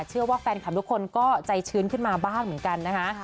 เชื่อว่าแฟนคลับทุกคนก็ใจชื้นขึ้นมาบ้างเหมือนกันนะคะ